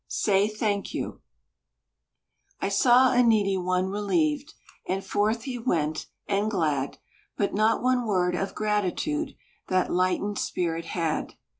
Say "Thank You" I saw a needy one relieved, And forth he went, and glad, But not one word of gratitude That lightened spirit had.